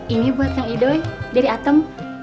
ini buat kang idoi dari atom